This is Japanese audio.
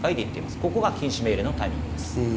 ここは禁止命令のタイミングです。